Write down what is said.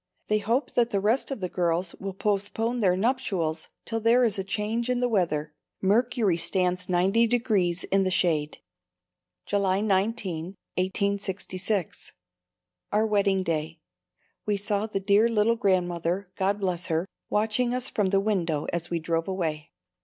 They hope that the rest of the girls will postpone their nuptials till there is a change in the weather. Mercury stands 90 degrees in the shade. July 19, 1866. Our wedding day. We saw the dear little Grandmother, God bless her, watching us from the window as we drove away.